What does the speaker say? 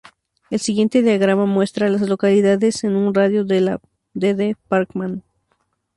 El siguiente diagrama muestra a las localidades en un radio de de Parkman.